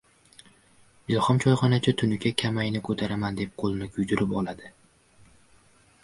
Ilhom choyxonachi tunuka kamayni ko‘taraman deb qo‘lini kuydirib oladi.